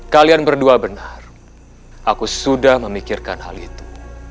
kalian berdua benar aku sudah memikirkan hal itu